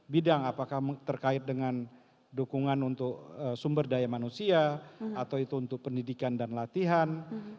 bidang apakah terkait dengan dukungan untuk sumber daya manusia atau itu untuk pendidikan dan latihan